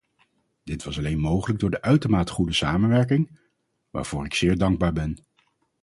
Dit was alleen mogelijk door de uitermate goede samenwerking, waarvoor ik zeer dankbaar ben.